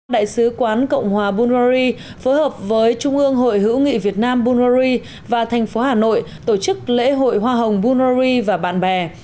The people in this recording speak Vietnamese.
đại sứ quán cộng hòa bungary phối hợp với trung ương hội hữu nghị việt nam bulgari và thành phố hà nội tổ chức lễ hội hoa hồng bullori và bạn bè